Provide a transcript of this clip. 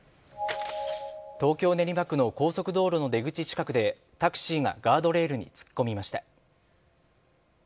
東京・練馬区の高速道路の出口近くでタクシーがガードレールに突っ込みました。